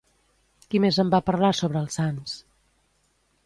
Qui més en va parlar sobre els sants?